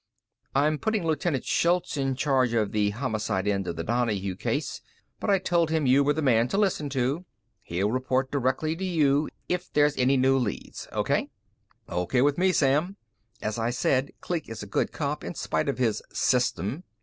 I'm putting Lieutenant Shultz in charge of the Homicide end of the Donahue case, but I told him you were the man to listen to. He'll report directly to you if there's any new leads. O.K.?" "O.K. with me, Sam." As I said, Kleek is a good cop in spite of his "system."